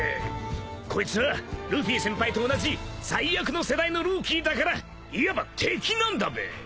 こいつはルフィ先輩と同じ最悪の世代のルーキーだからいわば敵なんだべ。